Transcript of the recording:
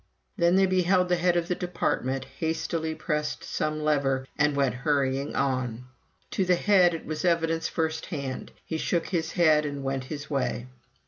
Then they beheld the Head of the Department, hastily pressed some lever, and went hurrying on. To the Head it was evidence first hand. He shook his head and went his way.